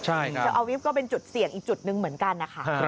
ชาวอาวิฟต์ก็เป็นจุดเสี่ยงอีกจุดหนึ่งเหมือนกันนะคะ